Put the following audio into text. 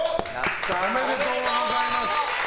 おめでとうございます。